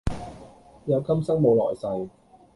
有今生冇來世